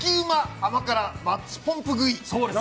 甘辛マッチポンプ食い。